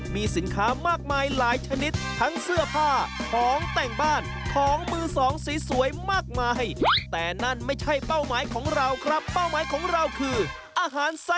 มีใช่ไหมใหญ่กว่าหน้าคุณ